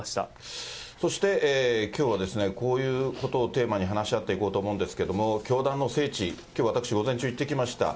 そして、きょうはこういうことをテーマに話し合っていこうと思うんですけれども、教団の聖地、きょう私、午前中行ってきました。